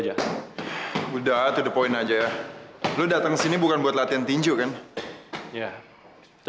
jadi lu nggak butuh bantuan gua ne